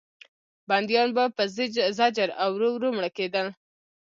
بندیان به په زجر او ورو ورو مړه کېدل.